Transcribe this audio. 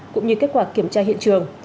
cũng như kết quả kiểm tra hiện trường